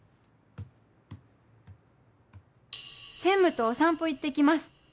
「専務とお散歩行ってきます」